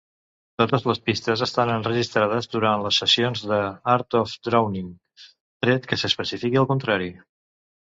Totes les pistes estan enregistrades durant les sessions d'"Art of Drowning", tret que s'especifiqui el contrari.